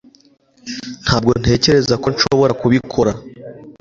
Ntabwo ntekereza ko nshobora kubikora